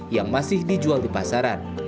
yang masih dijual di pasaran